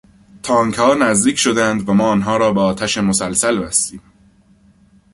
تانکها نزدیک شدند و ما آنها را به آتش مسلسل بستیم.